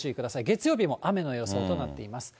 月曜日も雨の予想となっています。